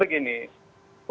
menurut saya rusia